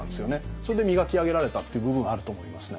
それで磨き上げられたっていう部分あると思いますね。